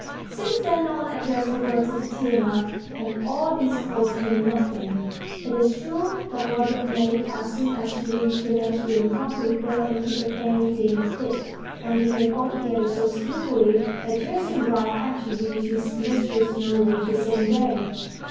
Since then no one addressed a word to Tatiana. And all this cost him nothing. It is true the wardrobe maid, as soon as she reached the maids' room, promptly fell into a fainting fit, and behaved altogether so skilfully that Gerasim's rough action reached his mistress's knowledge the same day.